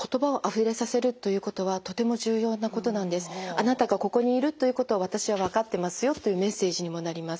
あのあなたがここにいるということを私は分かってますよというメッセージにもなります。